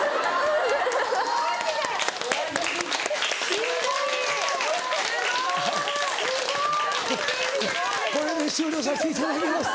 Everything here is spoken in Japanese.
・ぴったり・これで終了させていただきます。